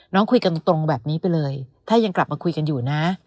คุยกันตรงแบบนี้ไปเลยถ้ายังกลับมาคุยกันอยู่นะ